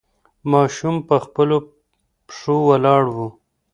ماشوم په خپلو پښو ولاړ و.